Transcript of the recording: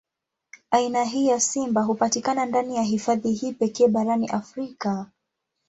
Aina hii ya simba hupatikana ndani ya hifadhi hii pekee barani Afrika.